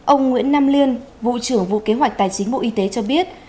ông nguyễn nam liên vụ trưởng vụ kế hoạch tài chính bộ y tế cho biết